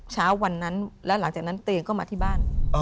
เช้าวันนั้นแล้วหลังจากนั้นตัวเองก็มาที่บ้าน